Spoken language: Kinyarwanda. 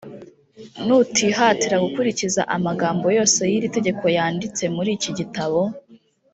nutihatira gukurikiza amagambo yose y’iri tegeko yanditse muri iki gitabo,